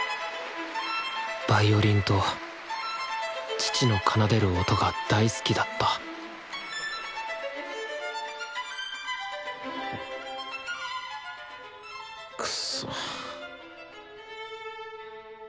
ヴァイオリンと父の奏でる音が大好きだったくそっ。